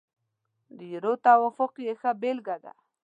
د یورو توافق یې ښه بېلګه ده.